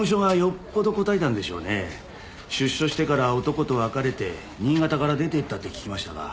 出所してから男と別れて新潟から出て行ったって聞きましたが。